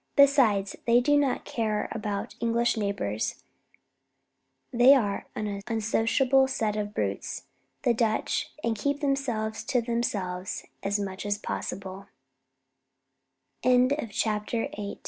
Besides, they do not care about English neighbours; they are an unsociable set of brutes, the Dutch, and keep themselves to themselves as much as possible." CHAPTER IX.